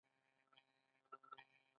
د جمهوریت پر مهال؛ افغانستان پر مخ ولاړ.